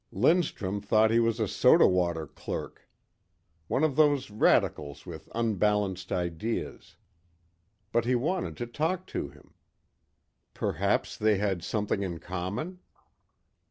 Lindstrum thought he was a soda water clerk. One of those radicals with unbalanced ideas. But he wanted to talk to him. Perhaps they had something in common?